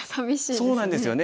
そうなんですよね。